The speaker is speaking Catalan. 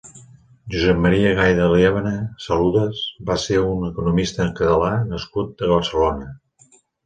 Josep Maria Gay de Liébana Saludas va ser un economista catalâ nascut a Barcelona.